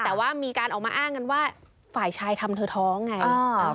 แต่ว่ามีการออกมาอ้างกันว่าฝ่ายชายทำเธอท้องไง